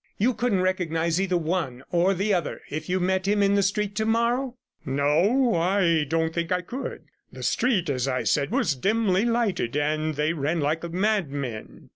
You couldn't recognize either the one or the other if you met him in the street to morrow?' 'No, I don't think I could. The street, as I said, was dimly lighted, and they ran like madmen.'